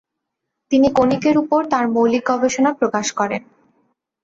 তিনি কনিকের উপর তার মৌলিক গবেষণা প্রকাশ করেন।